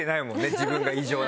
自分が異常な。